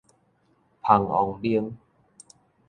蜂王奶